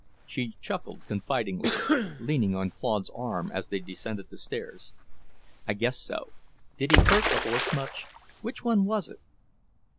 She chuckled confidingly, leaning on Claude's arm as they descended the stairs. "I guess so. Did he hurt the horse much? Which one was it?"